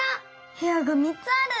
へやが３つある。